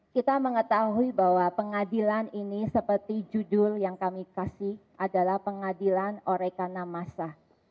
kita mengetahui bahwa pengadilan ini seperti judul yang kami kasih adalah pengadilan orekana masa